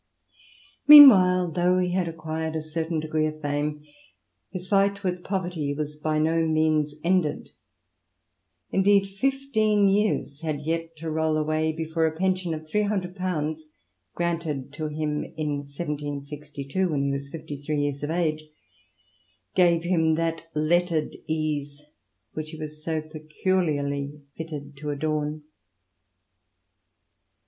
Meanwhile, though he had acquired a certain degree of fame, his fight with poverty was by no means ended) indeed, fifteen years had yet to roll away before a pension of ;^3oo — granted to him in 1 762, when he was fifty three years of age — gave him that lettered ease which he was so peculiarly fitted to adorn.